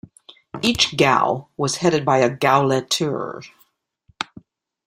Each "Gau" was headed by a "Gauleiter".